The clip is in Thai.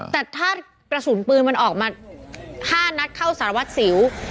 แต่ถ้ากระสุนปืนมันออกมา๕นัดเข้าสารวัตรสิว